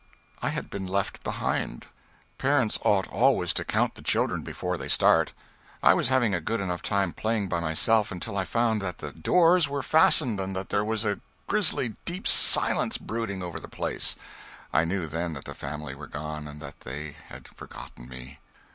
I had been left behind. Parents ought always to count the children before they start. I was having a good enough time playing by myself until I found that the doors were fastened and that there was a grisly deep silence brooding over the place. I knew, then, that the family were gone, and that they had forgotten me.